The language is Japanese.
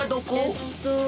えっと。